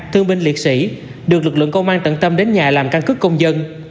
thương binh liệt sĩ được lực lượng công an tận tâm đến nhà làm căn cứ công dân